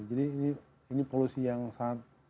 jadi ini polusi yang sangat